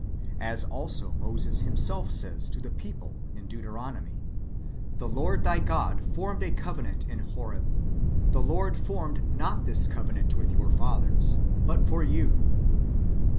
As also Moses himself says to the people in Deuteronomy :" The Lord thy God formed a covenant in Horeb. The Lord formed not this covenant with your fathers, but for you."